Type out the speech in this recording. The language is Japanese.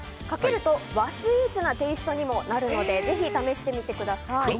かけると、和スイーツなテイストにもなるのでぜひ試してみてください。